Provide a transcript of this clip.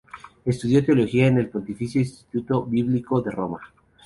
Estudio Teología en el Pontificio Instituto Bíblico de Roma.